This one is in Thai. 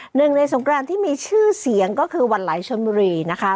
หนึ่งในสงครานที่มีชื่อเสียงก็คือวันไหลชนบุรีนะคะ